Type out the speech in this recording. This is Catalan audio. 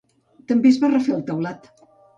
També es va refer el teulat.